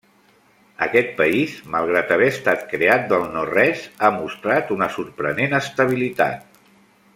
Aquest país, malgrat haver estat creat del no-res, ha mostrat una sorprenent estabilitat.